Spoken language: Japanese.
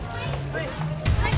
はい！